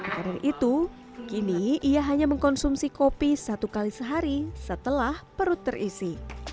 karena itu kini ia hanya mengkonsumsi kopi satu kali sehari setelah perut terisi